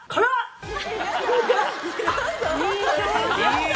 いい！